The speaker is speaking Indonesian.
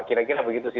kira kira begitu sih